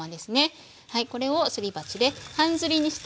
これをすり鉢で半ずりにしていきます。